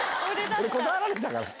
俺断られたから。